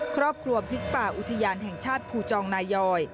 ครอบครัวพลิกป่าอุทยานแห่งชาติภูจองนายอย